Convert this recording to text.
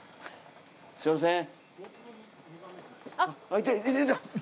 すみません！